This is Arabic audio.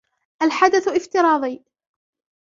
الحدث افتراضي